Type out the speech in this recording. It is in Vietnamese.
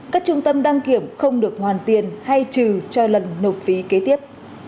các trung tâm đăng kiểm không được hoàn tiền hay trừ cho lần nộp phí kế tiếp